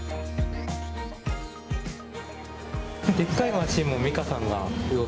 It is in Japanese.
でっかいマシーンもミカさん